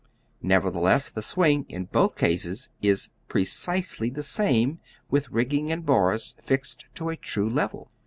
Nevertheless, the swing in both cases is precisely the same, with rigging and bars fixed to a true level.